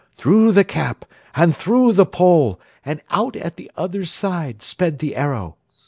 Through the cap and through the pole and out at the other side sped the arrow.